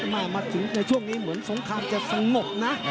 มาถึงในช่วงนี้เหมือนสงครามจะสงบนะ